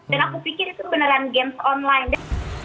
dan aku pikir itu beneran games online